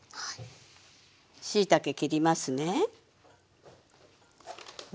しいたけ切りますね。